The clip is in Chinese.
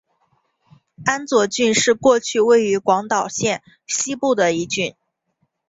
安佐郡是过去位于广岛县西部的一郡。